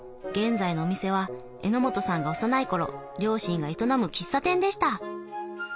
現在のお店は榎本さんが幼い頃両親が営む喫茶店でした。